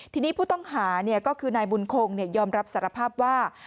ทีนี้ผู้ต้องหาก็คือนายบุญคงยอมรับสารภาพว่า